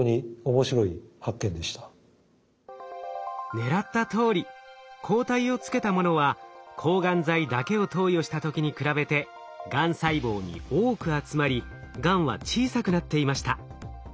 狙ったとおり抗体をつけたものは抗がん剤だけを投与した時に比べてがん細胞に多く集まりがんは小さくなっていました。